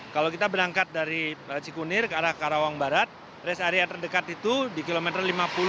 kalau kita berangkat dari cikunir ke arah karawang barat rest area terdekat itu di kilometer lima puluh